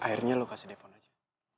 akhirnya lo kasih depon aja